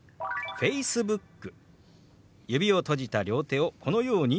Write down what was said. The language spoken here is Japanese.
「Ｆａｃｅｂｏｏｋ」。